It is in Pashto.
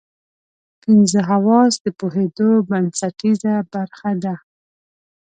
پنځه حواس د پوهېدو بنسټیزه برخه ده.